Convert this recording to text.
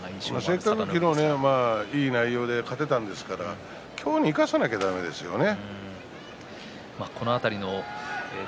せっかく昨日いい内容で勝てたんですから今日に生かさなきゃいけないですよね。